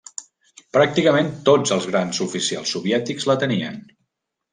Pràcticament tots els grans oficials soviètics la tenien.